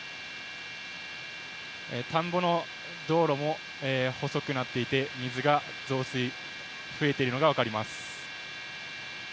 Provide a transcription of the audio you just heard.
田んぼの道路も細くなっていて、水が増水、増えているのが分かります。